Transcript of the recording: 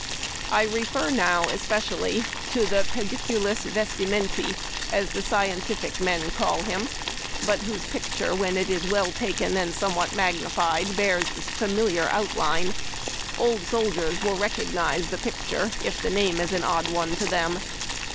I refer now, especially, to the Pedicidus Vestimenti, as the scientific men call him, but whose picture when it is well taken, and somewhat magnified, bears this familiar outline. Old soldiers will recognize the picture if the wawe is an odd one to them.